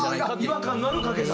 違和感のある掛け算。